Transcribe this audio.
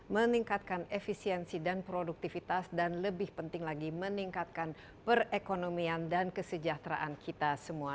meningkatkan efisiensi dan produktivitas dan lebih penting lagi meningkatkan perekonomian dan kesejahteraan kita semua